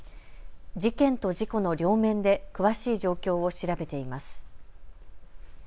事件と事故の両面で詳しい状況を調べています。